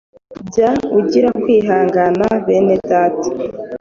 Jya ugira kwihangana Bene data,